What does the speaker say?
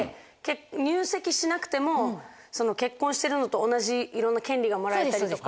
入籍しなくても結婚してるのと同じいろんな権利がもらえたりとか。